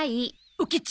おケチ。